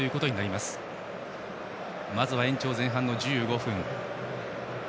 まずは延長前半の１５分。